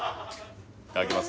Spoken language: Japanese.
いただきます